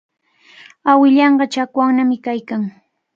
Awilanqa chakwannami kaykan.